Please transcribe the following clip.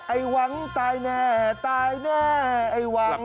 ไอ้หวังตายแน่ตายแน่ไอ้หวัง